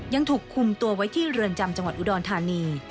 ยังถูกคุมตัวไว้ที่เรือนจำจังหวัดอุดรธานี